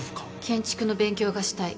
建築の勉強がしたい